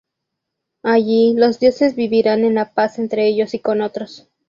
Allí, los dioses vivirán en la paz entre ellos y con otros.